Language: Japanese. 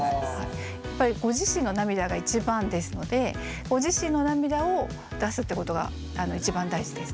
やっぱりご自身の涙が一番ですのでご自身の涙を出すってことが一番大事です。